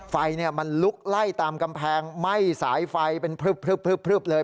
ไฟมันลุกไล่ตามกำแพงไหม้สายไฟเป็นพลึบเลย